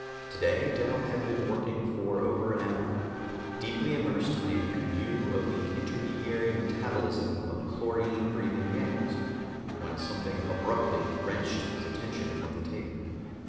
Today Dal had been working for over an hour, deeply immersed in a review of the intermediary metabolism of chlorine breathing mammals, when something abruptly wrenched his attention from the tape.